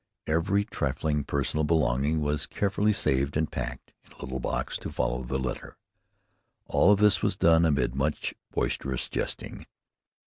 Every trifling personal belonging was carefully saved and packed in a little box to follow the letter. All of this was done amid much boisterous jesting.